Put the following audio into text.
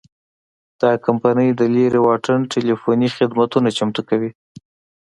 دا کمپنۍ د لرې واټن ټیلیفوني خدمتونه چمتو کوي.